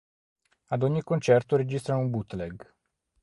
Ad ogni concerto registrano un bootleg.